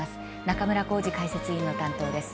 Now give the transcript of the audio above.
中村幸司解説委員の担当です。